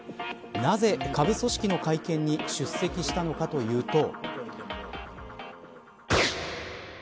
なぜ、下部組織の会見に出席したのかというと。